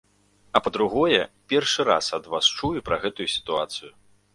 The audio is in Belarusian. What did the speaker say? А, па-другое, першы раз ад вас чую пра гэтую сітуацыю.